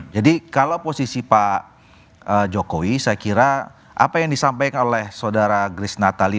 kalau posisi pak jokowi saya kira apa yang disampaikan oleh saudara grace natali